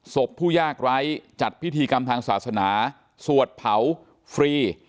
ผู้ยากไร้จัดพิธีกรรมทางศาสนาสวดเผาฟรี